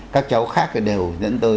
các cháu khác đều dẫn tới